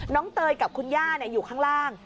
เตยกับคุณย่าอยู่ข้างล่าง